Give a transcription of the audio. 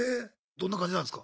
どんな感じなんすか？